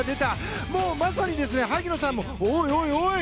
まさに萩野さんもおいおいおい！